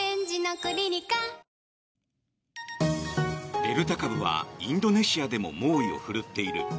デルタ株はインドネシアでも猛威を振るっている。